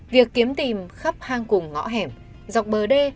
việc kiếm tìm khắp hang cùng ngõ hẻm dọc bờ đê